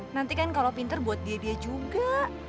nanti kan kalau pinter buat dia dia juga